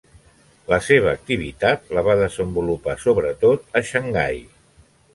La seva activitat la va desenvolupar sobretot a Xangai.